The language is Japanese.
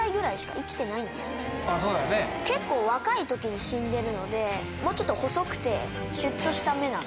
結構若い時に死んでるのでもうちょっと細くてシュっとした目なんです。